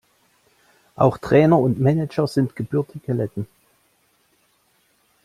Auch Trainer und Manager sind gebürtige Letten.